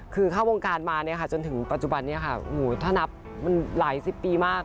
คือเข้าวงการมาจนถึงปัจจุบันนี้ค่ะถ้านับมันหลายสิบปีมาก